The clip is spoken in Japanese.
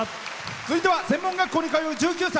続いては専門学校に通う１９歳。